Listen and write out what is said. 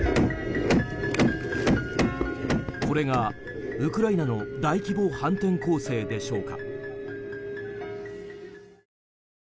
これがウクライナの大規模反転攻勢でしょうか。